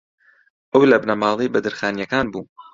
ئەو لە بنەماڵەی بەدرخانییەکان بوو